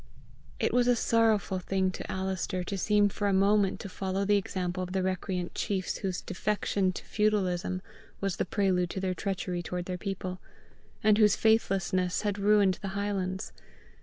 It was a sorrowful thing to Alister to seem for a moment to follow the example of the recreant chiefs whose defection to feudalism was the prelude to their treachery toward their people, and whose faithlessness had ruined the highlands.